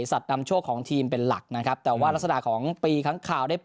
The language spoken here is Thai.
สัดนำโชคของทีมเป็นหลักนะครับ